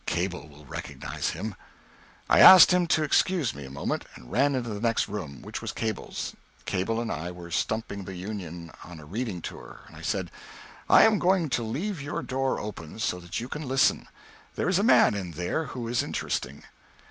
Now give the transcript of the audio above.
Cable will recognize him." I asked him to excuse me a moment, and ran into the next room, which was Cable's; Cable and I were stumping the Union on a reading tour. I said "I am going to leave your door open, so that you can listen. There is a man in there who is interesting."